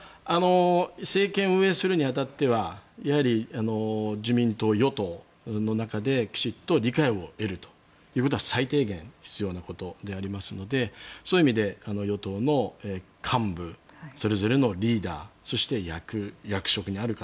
政権を運営するに当たってはやはり自民党、与党の中できっちり理解を得るということは最低限必要なことでありますのでそういう意味で与党の幹部それぞれのリーダーそして、役職にある方